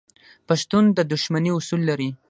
پښتون د دښمنۍ اصول لري.